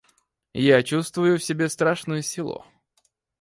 Я чувствую в себе страшную силу.